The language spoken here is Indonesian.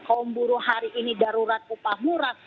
kaum buruh hari ini darurat upah murah